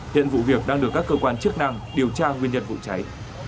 hiện vụ việc đang được các cơ quan chức năng điều tra nguyên nhân vụ cháy